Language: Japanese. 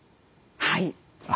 はい。